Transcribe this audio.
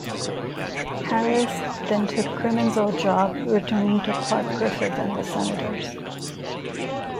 Harris then took Cronin's old job, returning to Clark Griffith and the Senators.